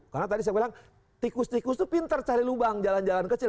karena tadi saya bilang tikus tikus itu pintar cari lubang jalan jalan kecil